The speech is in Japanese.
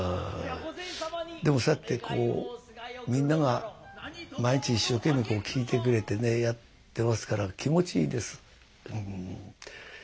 でもそうやってこうみんなが毎日一生懸命こう聞いてくれてねやってますから気持ちいいですうん。